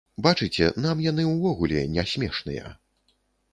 Бачыце, нам яны ўвогуле не смешныя.